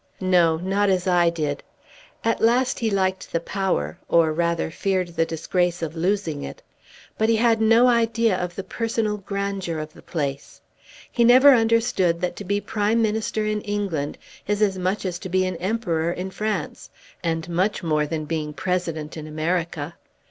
"No; not as I did. At last he liked the power, or rather feared the disgrace of losing it. But he had no idea of the personal grandeur of the place. He never understood that to be Prime Minister in England is as much as to be an Emperor in France, and much more than being President in America.